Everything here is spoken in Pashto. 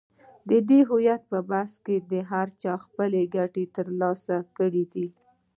د دې هویت پر بحث کې هر چا خپلې ګټې تر لاسه کړې دي.